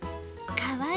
かわいい。